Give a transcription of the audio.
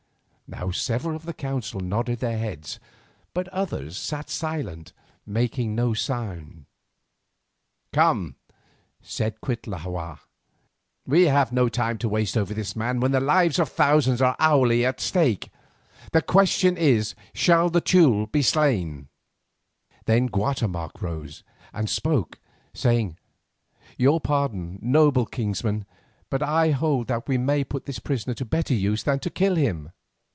Now several of the council nodded their heads, but others sat silent, making no sign. "Come," said Cuitlahua, "we have no time to waste over this man when the lives of thousands are hourly at stake. The question is, Shall the Teule be slain?" Then Guatemoc rose and spoke, saying: "Your pardon, noble kinsman, but I hold that we may put this prisoner to better use than to kill him.